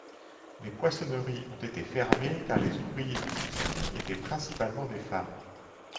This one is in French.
Les poissonneries ont été fermées car les ouvriers de l'usine étaient principalement des femmes.